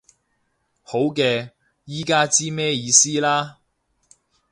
好嘅，依家知咩意思啦